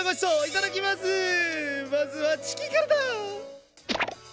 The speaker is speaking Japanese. まずはチキンからだ！